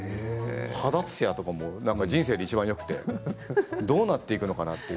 肌ツヤとかも人生でいちばんよくてどうなっていくのかなと。